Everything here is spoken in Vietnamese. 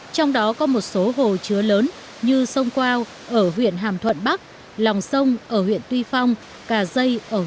trong đó có một số hồ chứa lớn như sông quao ở huyện hàm thuận bắc lòng sông ở huyện tuy phong cà dây ở huyện bắc bình